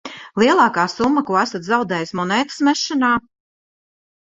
Lielākā summa, ko esat zaudējis monētas mešanā?